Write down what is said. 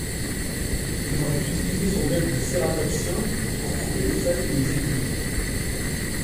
Il aurait utilisé son bec de cératopsien pour couper les feuilles ou les aiguilles.